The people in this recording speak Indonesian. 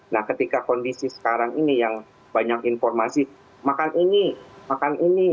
nah ketika kondisi sekarang ini yang banyak informasi makan ini makan ini